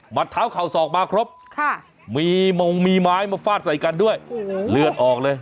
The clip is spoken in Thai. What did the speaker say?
เท้าเข่าศอกมาครบมีมงมีไม้มาฟาดใส่กันด้วยเลือดออกเลย